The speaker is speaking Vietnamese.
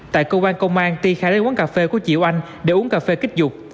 tại công an công an ty khả lấy quán cà phê của chị oanh để uống cà phê kích dục